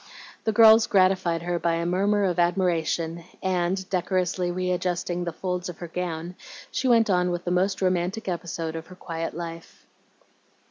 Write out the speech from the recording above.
The girls gratified her by a murmur of admiration, and, decorously readjusting the folds of her gown, she went on with the most romantic episode of her quiet life.